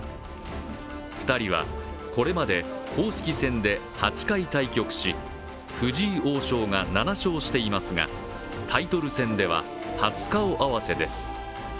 ２人はこれまで公式戦で８回対局し、藤井王将が７勝していますが、タイトル戦では初顔合わせです。